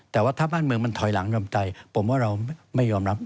แต่ว่าถ้าบ้านเมืองมันถอยหลังทำใจผมว่าเราไม่ยอมรับ